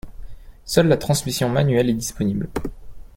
Seule la transmission manuelle est disponible.